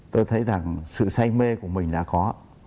nghĩ rằng sự say mê của mình đã có